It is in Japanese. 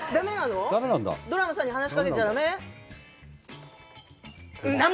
ドラムさんに話しかけちゃ駄目？